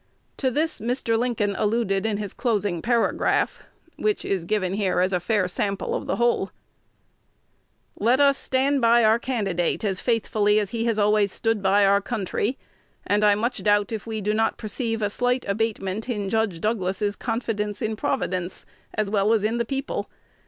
To this Mr. Lincoln alluded in his closing paragraph, which is given as a fair sample of the whole: "Let us stand by our candidate as faithfully as he has always stood by our country, and I much doubt if we do not perceive a slight abatement in Judge Douglas's confidence in Providence, as well as in the people.